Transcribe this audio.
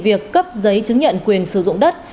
việc cấp giấy chứng nhận quyền sử dụng đất